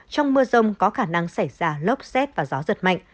trong mưa rông có khả năng xảy ra lốc xét và gió giật mạnh